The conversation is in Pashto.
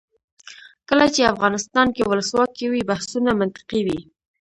کله چې افغانستان کې ولسواکي وي بحثونه منطقي وي.